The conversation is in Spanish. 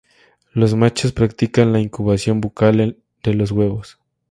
Los machos practican la incubación bucal de los huevos.